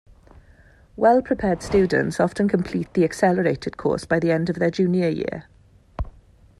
Well-prepared students often complete the Accelerated course by the end of their junior year.